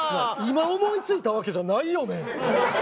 今思いついたわけじゃないよね？